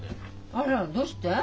あらどうして？